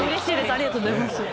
ありがとうございます。